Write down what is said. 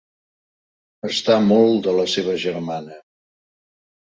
Està molt de la seva germana.